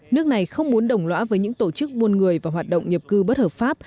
nước này không muốn đồng lõa với những tổ chức buôn người và hoạt động nhập cư bất hợp pháp